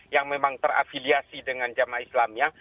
yang memang terafiliasi dengan jamaah islamnya